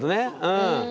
うん。